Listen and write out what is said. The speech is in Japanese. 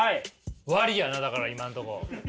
割やなだから今んとこ。